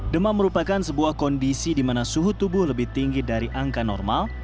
demam merupakan sebuah kondisi di mana suhu tubuh lebih tinggi dari angka normal